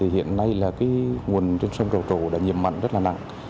hiện nay nguồn trên sân trầu trổ đã nhiệm mạnh rất là nặng